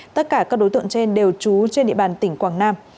tất cả các đối tượng trên đều trú trên địa bàn tỉnh quảng nam